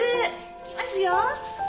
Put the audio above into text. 行きますよ。